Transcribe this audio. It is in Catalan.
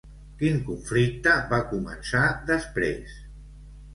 Quin conflicte va començar després?